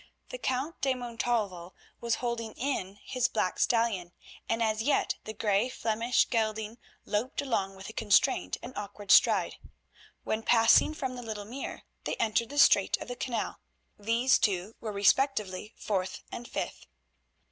The Count de Montalvo was holding in his black stallion, and as yet the grey Flemish gelding looped along with a constrained and awkward stride. When, passing from the little mere, they entered the straight of the canal, these two were respectively fourth and fifth.